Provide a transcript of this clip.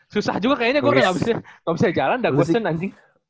susah juga kayaknya gue gak bisa jalan udah ghost in anjing